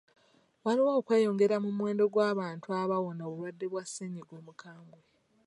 Waliwo okweyongera mu muwendo gw'abantu abawona obulwadde bwa ssennyiga omukambwe.